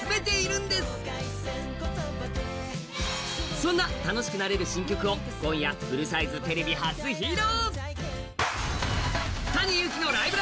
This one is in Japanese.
そんな楽しくなれる新曲を今夜フルサイズテレビ初披露。